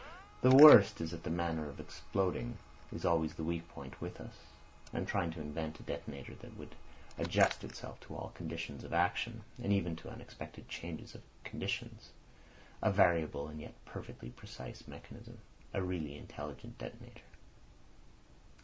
The worst is that the manner of exploding is always the weak point with us. I am trying to invent a detonator that would adjust itself to all conditions of action, and even to unexpected changes of conditions. A variable and yet perfectly precise mechanism. A really intelligent detonator."